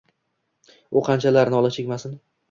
O qanchalar nola chekmasin